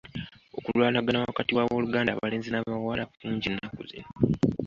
Okulwanagana wakati w'abooluganda abalenzi n'abawala kungi ennaku zino.